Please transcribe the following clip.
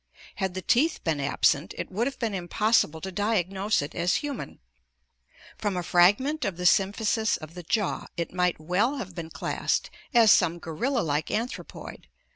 Had the teeth been absent it would have been impossible to diagnose it as human. From a fragment of the symphysis of the jaw it might well have been classed as some gorilla like anthropoid, while the ascending 678 ORGANIC EVOLUTION Fig.